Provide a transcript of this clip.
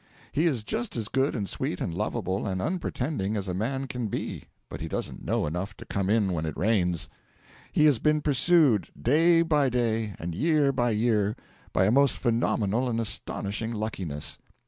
He is just as good and sweet and lovable and unpretending as a man can be, but he doesn't know enough to come in when it rains. He has been pursued, day by day and year by year, by a most phenomenal and astonishing luckiness.